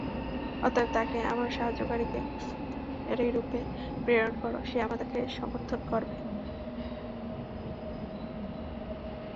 অতএব, তাকে আমার সাহায্যকারীরূপে প্রেরণ কর, সে আমাকে সমর্থন করবে।